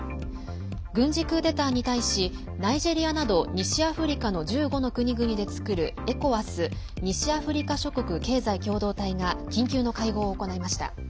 軍事クーデターに対しナイジェリアなど西アフリカの１５の国々で作るＥＣＯＷＡＳ＝西アフリカ諸国経済共同体が緊急の会合を行いました。